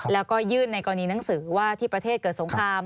แล้วก็ยื่นในกรณีหนังสือว่าที่ประเทศเกิดสงคราม